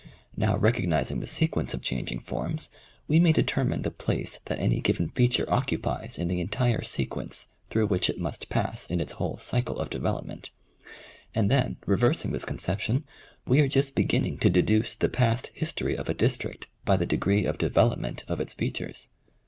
Now recognizing the sequence of changing forms, we may determine the place that any given feature occupies in the entire sequence through which it must pass in its whole cycle of development. And then reversing this conception we are just beginning to de duce the past history of a district by the degree of development of its features.